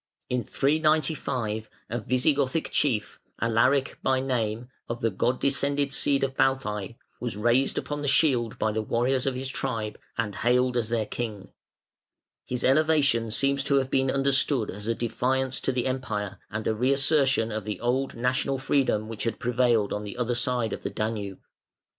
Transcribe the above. In 395 a Visigothic chief, Alaric by name, of the god descended seed of Balthæ, was raised upon the shield by the warriors of his tribe and hailed as their king. His elevation seems to have been understood as a defiance to the Empire and a re assertion of the old national freedom which had prevailed on the other side of the Danube.